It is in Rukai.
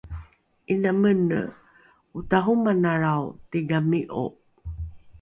’ina mene otahomanalrao tigami’o